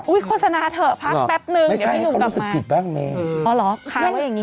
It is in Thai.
อุ๊ยโฆษณาเถอะพักแป๊บนึงเดี๋ยวให้หนุ่มกลับมาอ๋อเหรอขาวว่าอย่างนี้